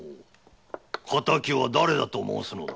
敵はだれだと申すのだ。